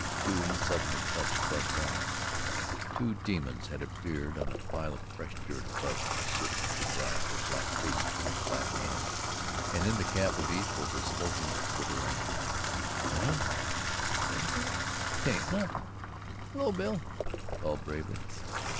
June suddenly clutched Bud's arms. Two demons had appeared on a pile of fresh dirt above them sooty, begrimed, with black faces and black hands, and in the cap of each was a smoking little lamp. "Huh," said Bub, "that ain't nothin'! Hello, Bill," he called bravely.